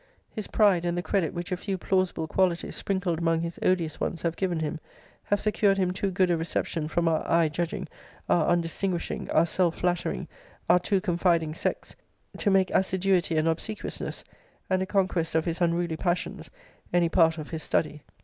His pride, and the credit which a few plausible qualities, sprinkled among his odious ones, have given him, have secured him too good a reception from our eye judging, our undistinguishing, our self flattering, our too confiding sex, to make assiduity and obsequiousness, and a conquest of his unruly passions, any part of his study.